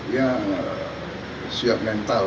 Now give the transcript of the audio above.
ya siap mental